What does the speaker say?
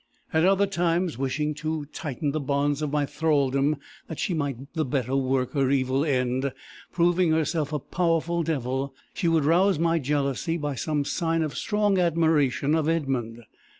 At other times, wishing to tighten the bonds of my thraldom that she might the better work her evil end, proving herself a powerful devil, she would rouse my jealousy by some sign of strong admiration of Edmund.